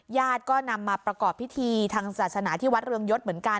ญาติก็นำมาประกอบพิธีทางศาสนาที่วัดเรืองยศเหมือนกัน